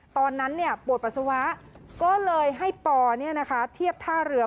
ตอนนั้นปวดปัสสาวะก็เลยให้ปอเทียบท่าเรือ